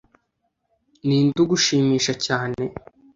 Ni nde ugushimisha cyane